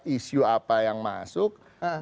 isu apa yang masuk